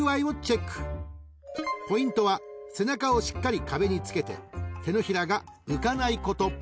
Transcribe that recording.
［ポイントは背中をしっかり壁につけて手のひらが浮かないこと］